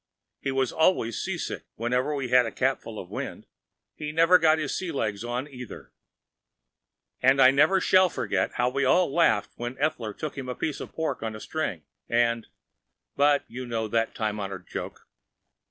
He was always seasick whenever we had a capful of wind. He never got his sea legs on either. And I never shall forget how we all laughed when Eattler took him the piece of pork on a string, and‚ÄĒBut you know that time honored joke.